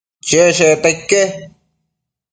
cheshecta ique